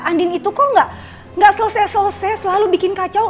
andin itu kok gak selesai selesai selalu bikin kacau